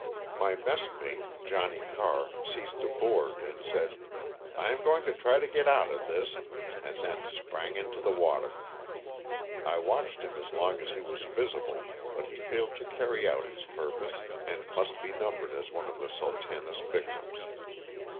My messmate, Johnny Carr, seized a board and said, '^ I am going to try to get out of this," and then sprang into the water. I watched him as long as he was visible, but he failed to carry out his purpose and must be numbered as one of the '* Sultana's '' victims.